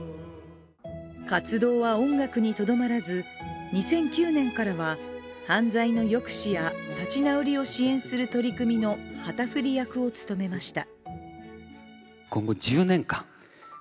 活動は音楽にとどまらず２００９年から犯罪の抑止や立ち直りを支援する取り組みの旗振り役を務めました。